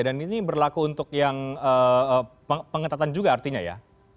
dan ini berlaku untuk yang pengetatan juga artinya ya